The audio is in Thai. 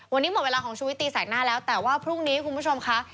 วันนี้หมดเวลาของชุวิตตีแสกหน้าแล้วแต่ว่าพรุ่งนี้คุณผู้ชมค่ะ